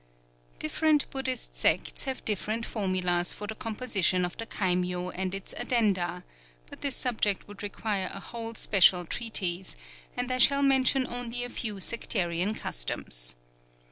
Different Buddhists sects have different formulas for the composition of the kaimyō and its addenda; but this subject would require a whole special treatise; and I shall mention only a few sectarian customs.